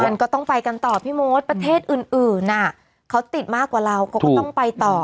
มันก็ต้องไปกันต่อพี่มดประเทศอื่นเขาติดมากกว่าเราเขาก็ต้องไปต่อ